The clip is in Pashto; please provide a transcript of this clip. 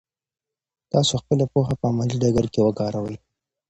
تاسو خپله پوهه په عملي ډګر کې وکاروئ.